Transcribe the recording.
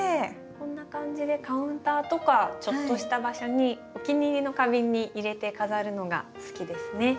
こんな感じでカウンターとかちょっとした場所にお気に入りの花瓶に入れて飾るのが好きですね。